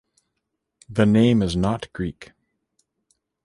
The name is not Greek.